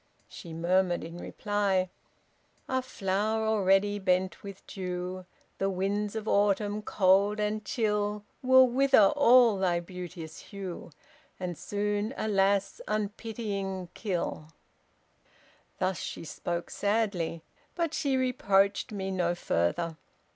She murmured in reply: 'Ah! Flower already bent with dew, The winds of autumn cold and chill Will wither all thy beauteous hue, And soon, alas, unpitying kill.' Thus she spoke sadly. But she reproached me no further.